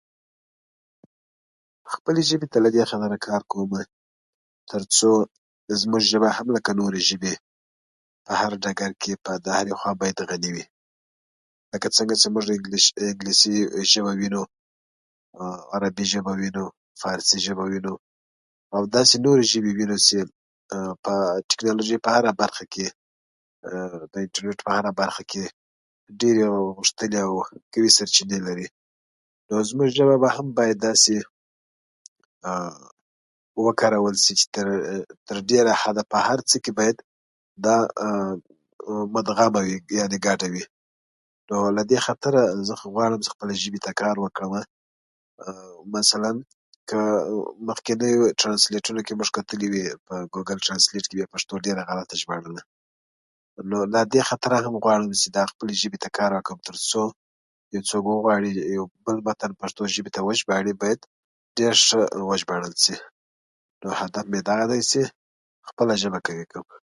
خپلې ژبې ته له دې خاطره کار کومه تر څو زموږ ژبه هم لکه نورې ژبې په هر ډکه کې د هرې خوا باید غني وي، لکه څنګه چې موږ انګلیسي ژبه وینو، عربي ژبه وینو، فارسي ژبه وینو او داسې نورې ژبې وینو، چې په تکنالوژي په هره برخه کې د انټرنيټ په هره برخه کې ډیرې ستنې او قوي سرچینې لري، نو ،زموږ ژبه به هم باید داسې وکارول شي چې تر ډېره حده په هر څه کې باید دا مدغمه وي، یعنې ګډه وي، نو زه خو غواړم چې خپلې ژبې ته کار وکړمه؛ مثلا که مخنکنیو ترانسلیتونو کې مو کتلي وي ګوګل ترانسلیت کې بیا پښتو ډېره غلطه ژباړلې نو له دې خاطره هم غواړم چې خپلې ژبې ته کار وکړم، ترڅو یو څوک وغواړي یو بل متن پښتو ته وژباړي باید ډېر ښه وژباړل شي، نو هدف مې دغه دی چې خپله ژبه قوي کړم.